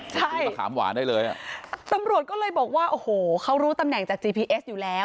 ใช่มะขามหวานได้เลยอ่ะตำรวจก็เลยบอกว่าโอ้โหเขารู้ตำแหน่งจากจีพีเอสอยู่แล้ว